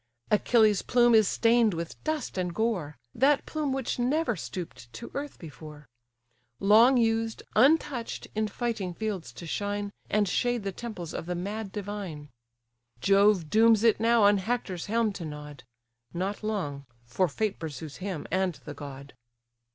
Achilles' plume is stain'd with dust and gore; That plume which never stoop'd to earth before; Long used, untouch'd, in fighting fields to shine, And shade the temples of the mad divine. Jove dooms it now on Hector's helm to nod; Not long—for fate pursues him, and the god.